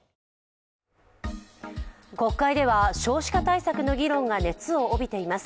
国会では少子化対策の議論が熱を帯びています。